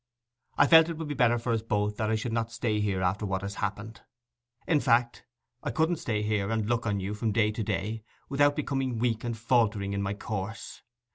I felt it would be better for us both that I should not stay after what has happened. In fact, I couldn't stay here, and look on you from day to day, without becoming weak and faltering in my course.